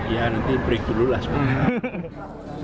ya nanti break dulu lah sebenarnya